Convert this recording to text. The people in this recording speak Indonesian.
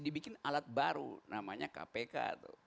dibikin alat baru namanya kpk tuh